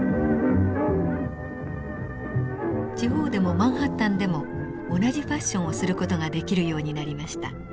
地方でもマンハッタンでも同じファッションをする事ができるようになりました。